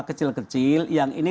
kecil kecil yang ini